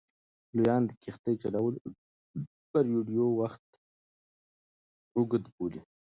لویان د کښتۍ چلولو پر ویډیو وخت اوږد بولي.